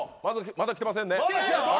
まだきてませんね。